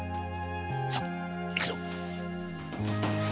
さあ行くぞ！